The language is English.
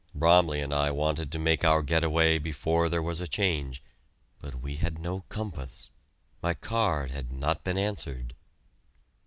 Bromley and I wanted to make our get away before there was a change, but we had no compass my card had not been answered.